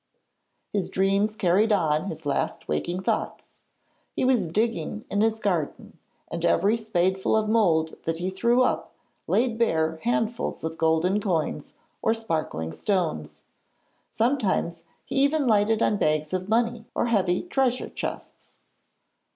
His dreams carried on his last waking thoughts. He was digging in his garden, and every spadeful of mould that he threw up laid bare handfuls of golden coins or sparkling stones. Sometimes he even lighted on bags of money or heavy treasure chests.